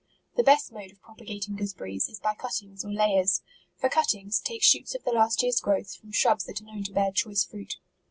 The best mode of propagating gooseber ries, is by cuttings or layers. For cuttings, take shoots of the last year's growth, from shrubs that are known to bear choice fruit.